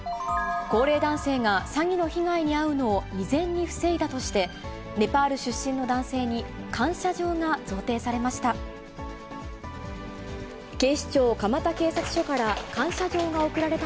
高齢男性が詐欺の被害に遭うのを未然に防いだとして、ネパール出身の男性に感謝状が贈呈されました。